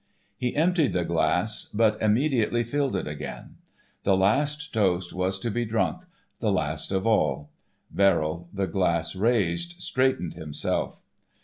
He emptied the glass, but immediately filled it again. The last toast was to be drunk, the last of all. Verrill, the glass raised, straightened himself.